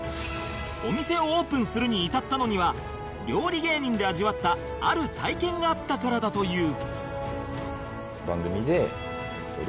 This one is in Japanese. お店をオープンするに至ったのには料理芸人で味わったある体験があったからだという